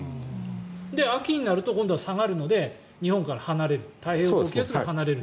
秋になると今度は下がるので日本から離れる太平洋高気圧が離れると。